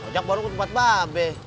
jak baru aku tempat babe